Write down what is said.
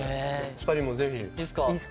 ２人もぜひ。